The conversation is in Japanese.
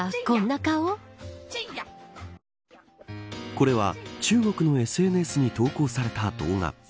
これは中国のＳＮＳに投稿された動画。